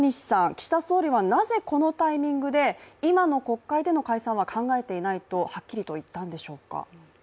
岸田総理は、なぜこのタイミングで今の国会での解散は考えていないとはっきりと言ったんでしょうか。